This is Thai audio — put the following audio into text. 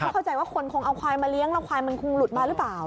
เข้าใจว่าคนคงเอาควายมาเลี้ยงแล้วควายมันคงหลุดมาหรือเปล่า